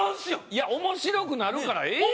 いや面白くなるからええやん。